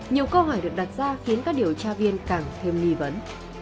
nhiều câu hỏi được đặt ra khiến các điều tra viên càng thêm nghi vấn